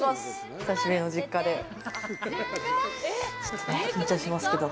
久しぶりの実家で緊張しますけど。